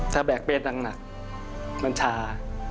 ถ้าแบกเป็นอังหนักมันช้า